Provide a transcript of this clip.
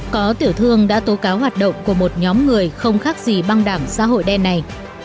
có tiểu thương đã tố cáo hoạt động của một nhóm người không khác gì băng đảng xã hội đen này